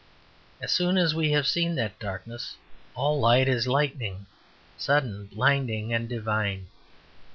As soon as we have seen that darkness, all light is lightening, sudden, blinding, and divine.